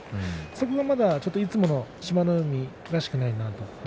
そこはまだいつもの志摩ノ海らしくないなと。